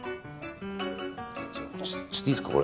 ちょっといいですか？